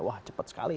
wah cepat sekali ya